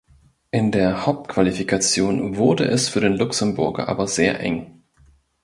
In der Hauptqualifikation wurde es für den Luxemburger aber sehr eng.